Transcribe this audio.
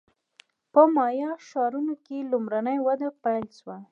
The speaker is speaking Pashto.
په مایا ښارونو کې لومړنۍ وده پیل شوه